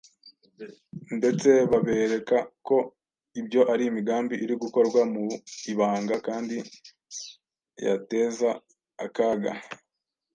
ndetse babereka ko ibyo ari imigambi iri gukorwa mu ibanga kandi yateza akaga.